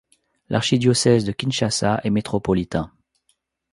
L'archidiocèse de Kinshasa est métropolitain.